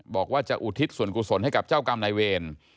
บอกว่าจะอุทิศส่วนกุศลให้กับเจ้ากรรมนายเวร